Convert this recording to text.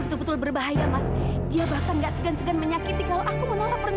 betul betul berbahaya mas dia bahkan gak segan segan menyakiti kalau aku menolak pernikahan